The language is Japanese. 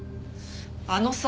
あのさ。